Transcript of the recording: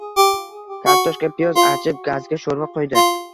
Kartoshka, piyoz archib, gazga shoʼrva qoʼydi.